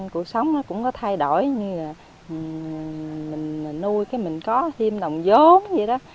cuộc sống nó cũng có thay đổi như là mình nuôi cái mình có thêm đồng giốn vậy đó